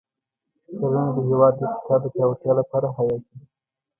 کرنه د هېواد د اقتصاد د پیاوړتیا لپاره حیاتي ده.